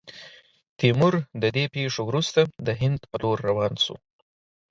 تیمور، تر دې پیښو وروسته، د هند پر لور روان سو.